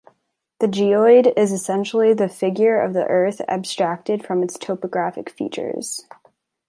The geoid is essentially the figure of the Earth abstracted from its topographic features.